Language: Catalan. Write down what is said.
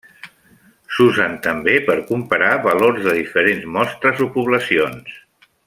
S'usen també per comparar valors de diferents mostres o poblacions.